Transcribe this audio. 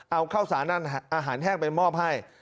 เอาข้าวสารนั่นอาหารแห้งไปมอบให้